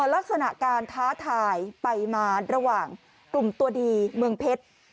ลักษณะการท้าทายไปมาระหว่างกลุ่มตัวดีเมืองเพชร